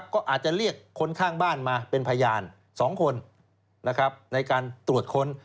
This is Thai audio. ก็อาจจะเรียกคนข้างบ้านมาเป็นพยาน๒คนในการตรวจค้น